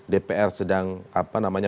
dpr sedang apa namanya